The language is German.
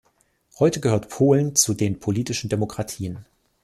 Heute gehört Polen zu den politischen Demokratien.